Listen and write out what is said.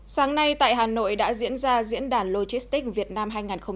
sáng nay tại hà nội đã diễn ra diễn đàn logistics việt nam hai nghìn hai mươi